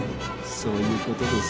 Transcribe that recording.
そういうことです。